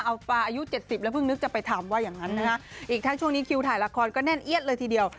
เอาปลาอายุเจ็ดสิบแล้วเพิ่งนึกจะไปทำว่าอย่างนั้นนะคะอีกทั้งช่วงนี้คิวถ่ายละครก็แน่นเอี๊ยดเลยทีเดียว